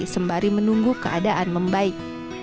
sembari menunggu keadaan membaik